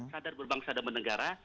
sadar berbangsa dan bernegara